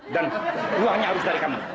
dan uangnya harus dari kamu